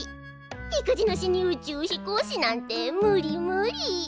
いくじなしに宇宙飛行士なんて無理無理！